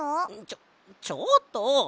ちょちょっと！